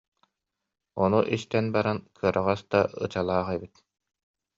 Ону истэн баран, «кыараҕас да ычалаах эбит